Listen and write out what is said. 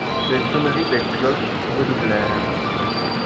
Les sonneries des cloches redoublèrent.